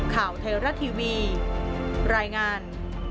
ข่าวไทยรัฐทีวีรายงาน